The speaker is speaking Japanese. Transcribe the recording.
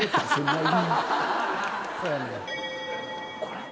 これ？